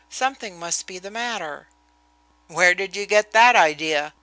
Something must be the matter." "Where did you get that idea?"